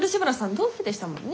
同期でしたもんね。